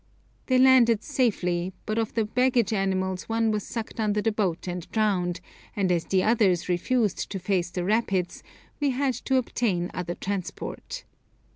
They landed safely, but of the baggage animals one was sucked under the boat and drowned, and as the others refused to face the rapids, we had to obtain other transport.